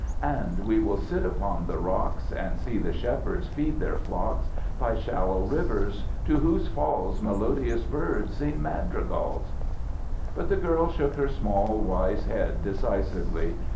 "And we will sit upon the rocks, And see the shepherds feed their flocks By shallow rivers, to whose falls Melodious birds sing madrigals " But the girl shook her small, wise head decisively.